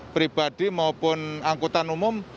pribadi maupun angkutan umum